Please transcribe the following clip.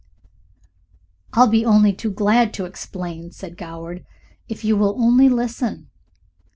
"I'll be only too glad to explain," said Goward, "if you will only listen."